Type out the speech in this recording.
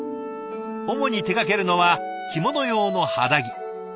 主に手がけるのは着物用の肌着。